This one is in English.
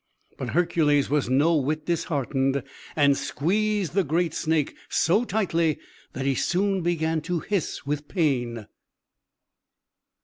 But Hercules was no whit disheartened, and squeezed the great snake so tightly that he soon began to hiss with pain.